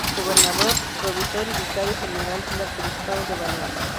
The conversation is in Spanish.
Gobernador, Provisor y Vicario General del Arzobispado de Valencia.